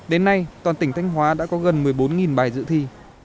đến nay toàn tỉnh thanh hóa đã có gần một mươi bốn bài dự thi